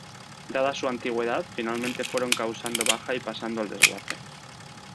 Dada su antigüedad, finalmente fueron causando baja y pasando al desguace.